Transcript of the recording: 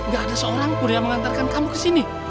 gak ada seorang kuri yang mengantarkan kamu ke sini